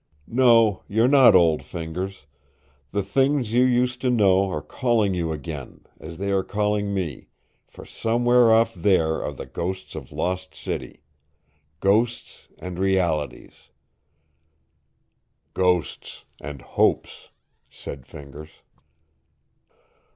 No, you're not old, Fingers. The things you used to know are calling you again, as they are calling me, for somewhere off there are the ghosts of Lost City, ghosts and realities!" "Ghosts and hopes," said Fingers.